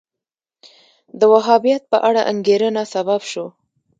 د وهابیت په اړه انګېرنه سبب شو